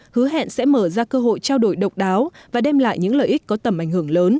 hứa hẹn sẽ mở ra cơ hội trao đổi độc đáo và đem lại những lợi ích có tầm ảnh hưởng lớn